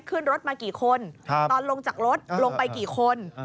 ขึ้นรถมากี่คนตอนลงจากรถลงไปกี่คน